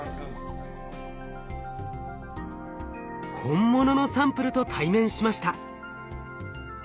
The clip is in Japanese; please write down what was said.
本物のサンプルと対面しました。